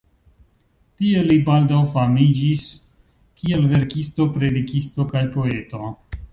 Tie li baldaŭ famiĝis kiel verkisto, predikisto kaj poeto.